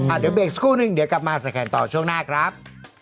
อ่าเดี๋ยวเบสกู้หนึ่งเดี๋ยวกลับมาแสดงต่อช่วงหน้าครับ